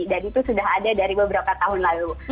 dan itu sudah ada dari beberapa tahun lalu